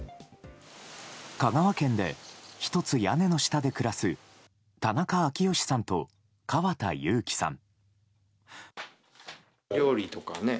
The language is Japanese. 香川県で１つ屋根の下で暮らす田中昭全さんと川田有希さん。